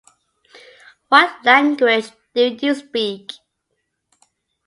آپ کو کون سی زبان آتی ہے؟